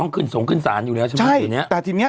จะส่งขึ้นสารอยู่แล้วใช่